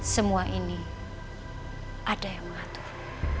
semua ini ada yang mengatur